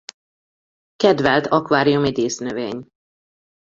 Kedvelt akváriumi dísznövény.